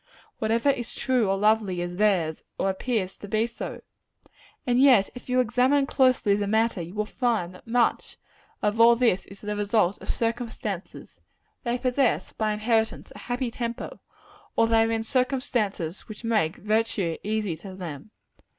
Whatever is true or lovely, is theirs; or appears to be so. And yet, if you examine closely the matter, you will find that much of all this is the result of circumstances. They possess, by inheritance, a happy temper or they are in circumstances which make virtue easy to them.